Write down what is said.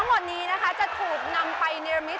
ทั้งหมดนี้นะคะจะถูกนำไปเนรมิต